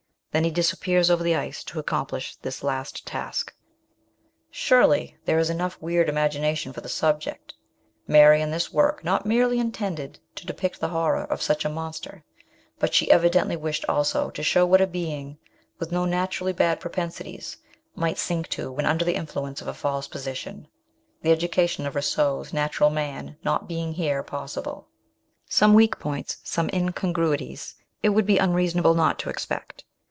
Then he disappears over the ice to accomplish this last task. Surely there is enough weird imagination for the subject. Mary in this work not merely intended to depict the horror of such a monster, but she evidently " FRANKENSTEIN." 109 wished also to show what a being, with no naturally bad propensities, might sink to when under the influence of a false position the education of Rousseau's natural man not being here possible. Some weak points, some incongruities, it would be unreasonable not to expect.